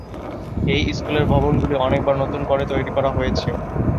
এই স্কুলের ভবনগুলি অনেকবার নতুন করে তৈরি করা হয়েছে।